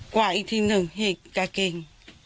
กว่าอีกทีนึงเห็นกางเกง